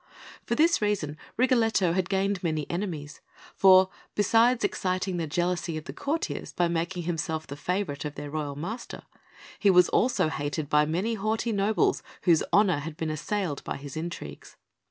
For this reason Rigoletto had gained many enemies, for, besides exciting the jealousy of the courtiers by making himself the favourite of their royal master, he was also hated by many haughty nobles whose honour had been assailed by his intrigues.